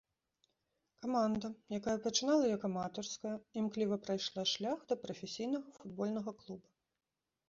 Каманда, якая пачынала як аматарская, імкліва прайшла шлях да прафесійнага футбольнага клуба.